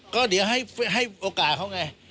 ก็เดี๋ยวให้โอกาสเขาไง